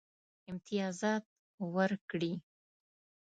امتیازات ورکړي.